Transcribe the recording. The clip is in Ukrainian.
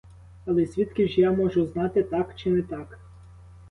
Але звідки ж я можу знати, так чи не так?